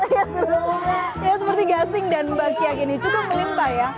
ya seperti gasing dan bakiak ini cukup menimpa ya